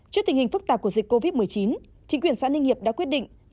trước tình hình phức tạp của dịch covid một mươi chín chính quyền xã ninh hiệp đã quyết định